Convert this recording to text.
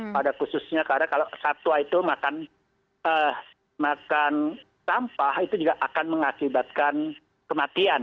pada khususnya karena kalau satwa itu makan sampah itu juga akan mengakibatkan kematian